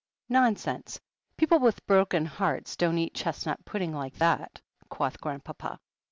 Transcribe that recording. Nonsense. People with broken hearts don't eat chestnut pudding like that/' quoth Grandpapa.